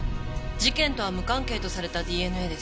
事件とは無関係とされたＤＮＡです。